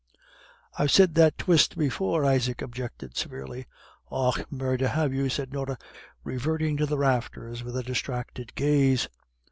"I've said that twyste before," Isaac objected severely. "Och, murdher, have you?" said Norah, reverting to the rafters with a distracted gaze.